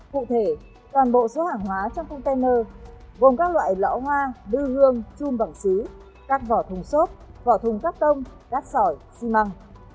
cụ thể toàn bộ số hàng hóa trong container gồm các loại lõ hoa lư hương chum bằng xứ các vỏ thùng xốp vỏ thùng cắt tông cát sỏi xi măng